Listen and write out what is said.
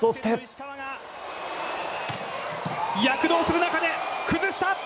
石川が躍動する中で崩した！